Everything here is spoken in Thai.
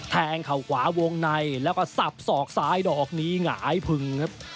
เข่าขวาวงในแล้วก็สับสอกซ้ายดอกนี้หงายพึงครับ